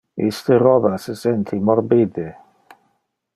Iste roba se sente morbide.